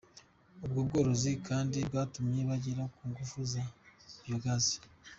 Ubwo bworozi kandi bwatumye bagera ku ngufu za biyogazi.